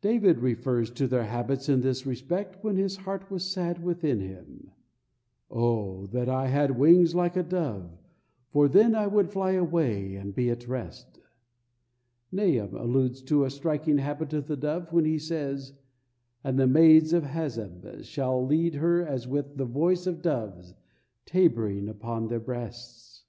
David refers to their habits in this respect when his heart was sad within him: "O that I had wings like a dove, for then would I fly away and be at rest." Nahum alludes to a striking habit of the dove when he says: "And the maids of Hazzab shall lead her as with the voice of doves, tabering upon their breasts."